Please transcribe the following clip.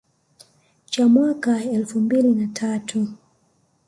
cha mwaka elfu mbili na tatu